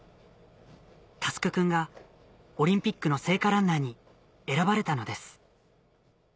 奨君がオリンピックの聖火ランナーに選ばれたのです